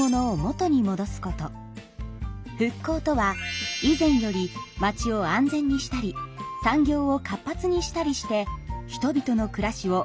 復興とは以前より町を安全にしたり産業を活発にしたりして人々の暮らしをよりよくすることです。